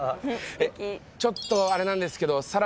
ちょっとあれなんですけどサラさん。